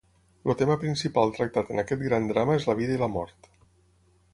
El tema principal tractat en aquest gran drama és la vida i la mort.